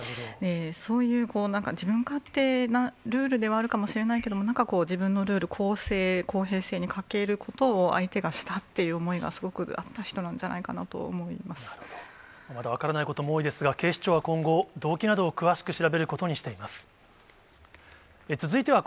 そういうなんか自分勝手なルールではあるかもしれないけど、なんかこう、自分のルール、公正、公平性に欠けることを、相手がしたっていう思いをしたっていうのがすごくあった人なんじまだ分からないことも多いですが、警視庁は今後、動機などを調べることにしています。